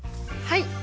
はい！